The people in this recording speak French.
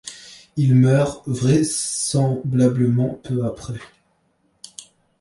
Il meurt vraisemblablement peu après.